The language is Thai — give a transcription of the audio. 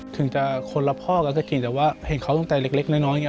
ถึงจะคนละพ่อกันก็กินแต่ว่าเห็นเขาตั้งแต่เล็กน้อยอย่างนี้